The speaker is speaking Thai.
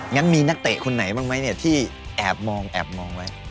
งั้นมีนักเตะคนไหนบ้างไหมเนี่ยที่แอบมองแอบมองไว้